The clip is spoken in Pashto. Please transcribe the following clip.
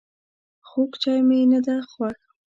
خوږ چای مي نده خوښ